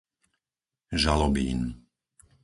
Žalobín